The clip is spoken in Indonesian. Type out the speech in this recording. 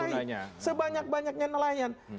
dikuasai sebanyak banyaknya nelayan